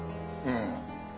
うん。